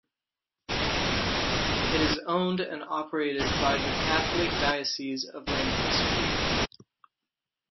It is owned and operated by the Catholic Diocese of Lancaster.